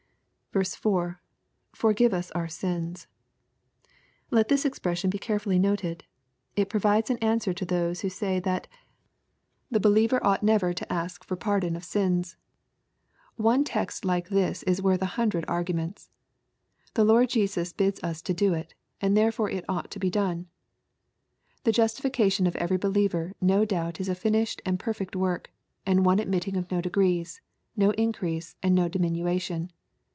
4. — [Forgive us our sins.] Let this expression be earefully noted. It provides an answer to those who say that the believer oughj LUKE, CHAP. XI. 9 nuver to ask for pardon of sins. One text liko this iy worth a hun dred arguments. The Lord Jesus bids us do it, and therefore it ought to be done. The justification of every believer no doubt is a finished and perfect work, and one admitting of no degrees, no increase and no diminution.